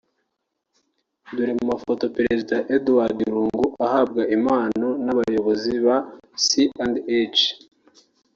Dore mu mafoto Perezida Edgard Lungu ahabwa impano n’abayobozi ba C&H